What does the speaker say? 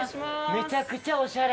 めちゃくちゃおしゃれ。